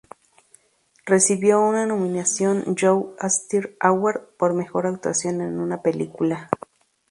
Recibió una nominación Young Artist Award por Mejor Actuación en una Película.